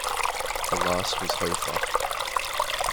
The last was Hofer.